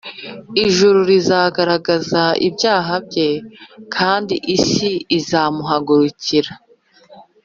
ijuru rizagaragaza ibyaha bye, kandi isi izamuhagurukira